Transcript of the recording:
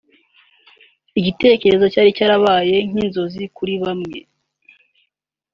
igitekerezo cyari cyarabaye nk’inzozi kuri bamwe